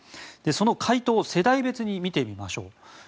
その回答を世代別に見てみましょう。